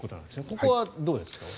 ここはどうですか？